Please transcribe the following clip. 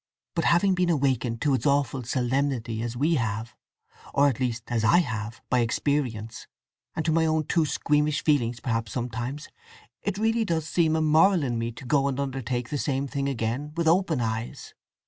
But having been awakened to its awful solemnity as we have, or at least as I have, by experience, and to my own too squeamish feelings perhaps sometimes, it really does seem immoral in me to go and undertake the same thing again with open eyes.